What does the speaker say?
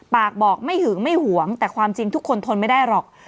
ปากบอกไม่หึงไม่หวงแต่ความจริงทุกคนทนไม่ได้หรอก